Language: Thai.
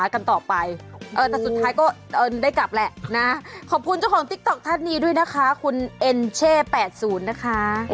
ขอบคุณคนที่ติ๊กต็อกท่านี้ด้วยนะคะคุณเอ็นเช่๘๐นะคะ